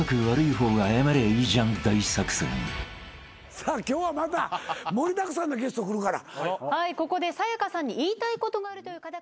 さあ今日はまた盛りだくさんのゲスト来るから。